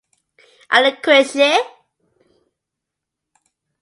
And a creche!